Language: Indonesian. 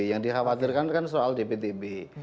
yang dikhawatirkan kan soal dptb